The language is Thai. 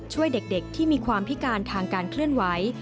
ช่วยเด็กที่มีความพิการทางการเคลื่อนไหว